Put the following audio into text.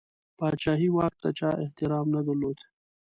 پاچهي واک ته چا احترام نه درلود.